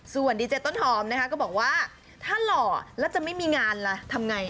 ส่วนดีเจต้นหอมนะคะก็บอกว่าถ้าหล่อแล้วจะไม่มีงานล่ะทำไง